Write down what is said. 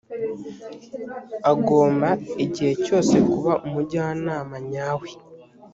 agomba igihe cyose kuba umujyanama nyawe